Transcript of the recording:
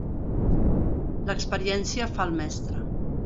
L'experiència fa el mestre.